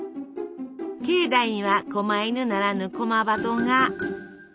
境内にはこま犬ならぬこま鳩が。